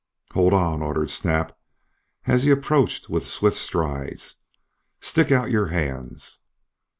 "Hold on!" ordered Snap, as he approached with swift strides. "Stick out your hands!"